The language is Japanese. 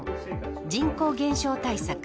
人口減少対策